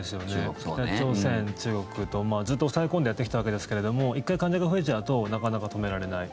北朝鮮、中国、ずっと抑え込んでやってきたわけですけれども１回、患者が増えちゃうとなかなか止められない。